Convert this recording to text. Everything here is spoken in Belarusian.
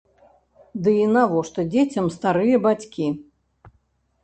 Ды і навошта дзецям старыя бацькі?